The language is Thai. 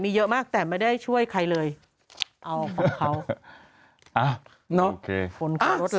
มีเยอะมากแต่ไม่ได้ช่วยใครเลยเอาของเขาอ่าเนอะ